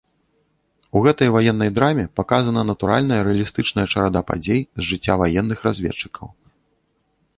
У гэтай ваеннай драме паказана натуральная рэалістычная чарада падзей з жыцця ваенных разведчыкаў.